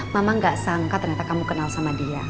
mama gak sangka ternyata kamu kenal sama dia